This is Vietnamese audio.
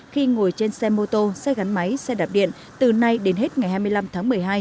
khi ngồi trên xe mô tô xe gắn máy xe đạp điện từ nay đến hết ngày hai mươi năm tháng một mươi hai